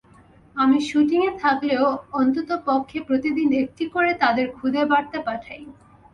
আমি শুটিংয়ে থাকলেও অন্ততপক্ষে প্রতিদিন একটি করে তাদের খুদে বার্তা পাঠাই।